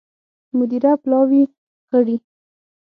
مدیره پلاوي غړي